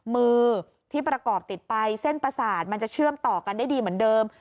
มือที่ประกอบติดไปเส้นประสาทมันจะเชื่อมต่อกันได้ดีเหมือนเดิม